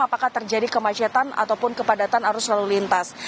apakah terjadi kemacetan ataupun kepadatan arus lalu lintas